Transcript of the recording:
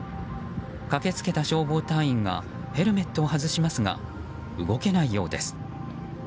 駆け付けた消防隊員がヘルメットを外しますが動けないようです。